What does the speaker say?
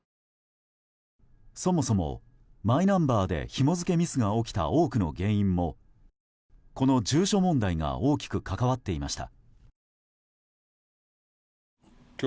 そもそもマイナンバーでひも付けミスが起きた多くの原因も、この住所問題が大きく関わっていました。